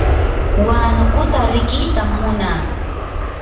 huanukuta riqitam munaa.